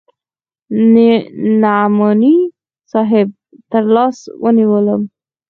نعماني صاحب تر لاس ونيولم.